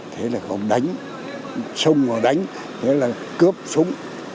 thế là còn đánh xung mà đánh thế là cướp súng